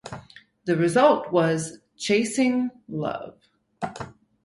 The result was "Chasing Love".